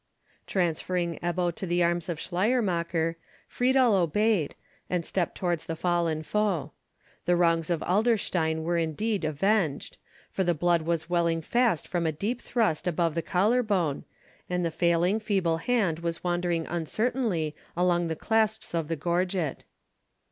Transferring Ebbo to the arms of Schleiermacher, Friedel obeyed, and stepped towards the fallen foe. The wrongs of Adlerstein were indeed avenged, for the blood was welling fast from a deep thrust above the collar bone, and the failing, feeble hand was wandering uncertainly among the clasps of the gorget.